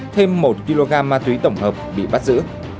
thêm một kg ma túy tổng hợp bị bắt giữ